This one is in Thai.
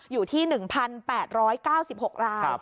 อยู่ที่๑๘๙๖ราย